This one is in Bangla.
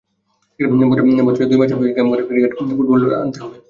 বছরে দুই মাস ক্যাম্প করে ক্রিকেট, ফুটবলসহ বিভিন্ন খেলাধুলার মধ্যে আনতে হবে।